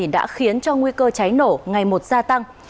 đã khiến cho nguy cơ cháy nổ ngày một gia tăng